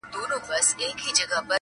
یوه ورځ صحرايي راغی پر خبرو،